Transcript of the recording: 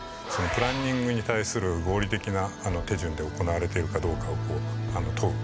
プランニングに対する合理的な手順で行われているかどうかを問う。